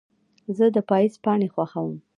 زه د پاییز پاڼې خوښوم.